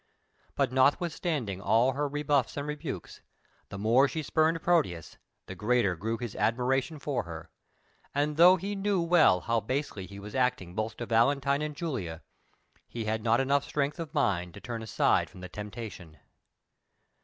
But, notwithstanding all her rebuffs and rebukes, the more she spurned Proteus the greater grew his admiration for her; and though he knew well how basely he was acting both to Valentine and Julia, he had not enough strength of mind to turn aside from the temptation.